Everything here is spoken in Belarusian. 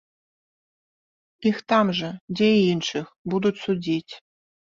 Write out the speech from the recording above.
Іх там жа, дзе і іншых, будуць судзіць.